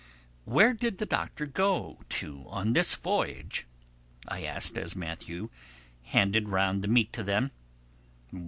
"Where did the Doctor go to on this voyage?" I asked as Matthew handed round the meat to them.